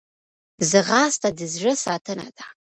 ځغاسته د زړه ساتنه ده